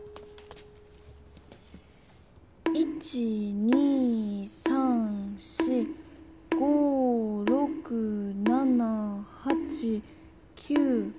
１２３４５６７８９。